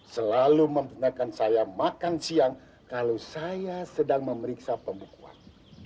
selalu menggunakan saya makan siang kalau saya sedang memeriksa pembukuan